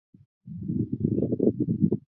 请尊重每个人的生活习惯。